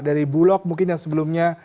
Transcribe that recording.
dari bulog mungkin yang sebelumnya